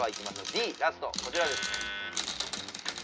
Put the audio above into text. Ｄラストこちらです。